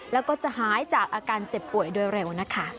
แล้วก็จะหายจากอาการเจ็บป่วยโดยเร็วนะคะ